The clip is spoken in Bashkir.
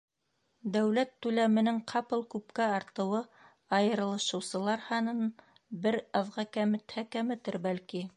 Дәүләт түләменең ҡапыл күпкә артыуы айырылышыусылар һанын бер аҙға кәметһә кәметер, бәлки.